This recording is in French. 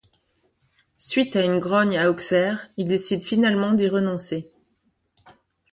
Suite à une grogne à Auxerre, il décide finalement d'y renoncer.